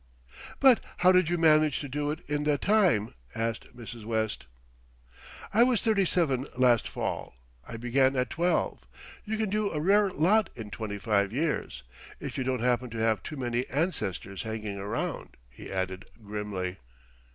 "But how did you manage to do it in the time?" asked Mrs. West. "I was thirty seven last fall. I began at twelve. You can do a rare lot in twenty five years if you don't happen to have too many ancestors hanging around," he added grimly.